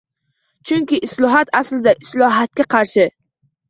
Chunki islohot, aslida, islohotga qarshi